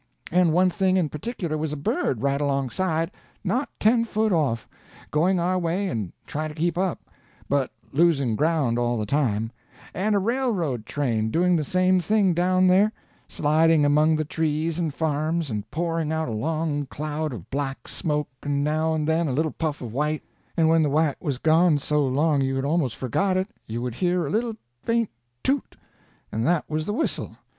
And one thing in particular was a bird right alongside, not ten foot off, going our way and trying to keep up, but losing ground all the time; and a railroad train doing the same thing down there, sliding among the trees and farms, and pouring out a long cloud of black smoke and now and then a little puff of white; and when the white was gone so long you had almost forgot it, you would hear a little faint toot, and that was the whistle.